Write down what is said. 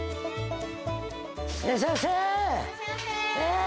いらっしゃいませ！